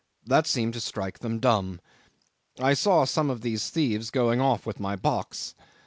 That seemed to strike them dumb. I saw some of these thieves going off with my box.